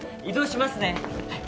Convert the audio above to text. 移動しますね。